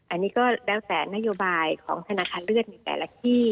อันนี้ก็แล้วแต่นโยบายของธนาคารเลือดในแต่ละที่